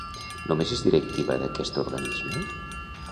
Només és directiva d'aquest organisme?